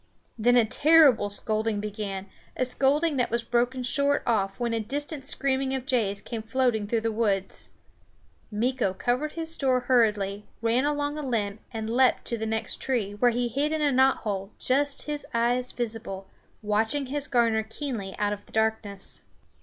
Then a terrible scolding began, a scolding that was broken short off when a distant screaming of jays came floating through the woods. Meeko covered his store hurriedly, ran along a limb and leaped to the next tree, where he hid in a knot hole, just his eyes visible, watching his garner keenly out of the darkness.